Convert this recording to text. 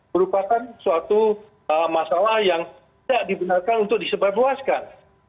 merupakan suatu masalah yang tidak dibenarkan untuk disebarluaskan